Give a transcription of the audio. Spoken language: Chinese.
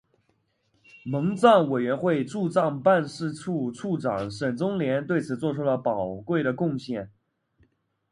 蒙藏委员会驻藏办事处处长沈宗濂对此作出了宝贵的贡献。